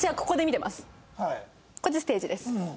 こっちステージです。